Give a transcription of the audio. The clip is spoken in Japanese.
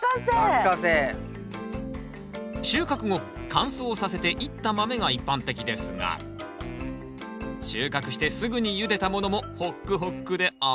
収穫後乾燥させて煎った豆が一般的ですが収穫してすぐにゆでたものもホックホックで甘いんです